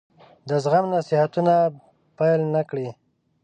د زغم نصيحتونه پیل نه کړي.